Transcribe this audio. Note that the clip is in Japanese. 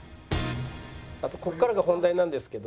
「あとここからが本題なんですけど」。